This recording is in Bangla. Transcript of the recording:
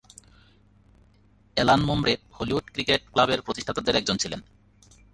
অ্যালান মোব্রে হলিউড ক্রিকেট ক্লাবের প্রতিষ্ঠাতাদের একজন ছিলেন।